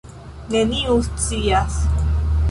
Neniu scias.